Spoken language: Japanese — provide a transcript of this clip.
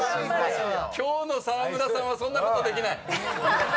今日の沢村さんはそんなことできない。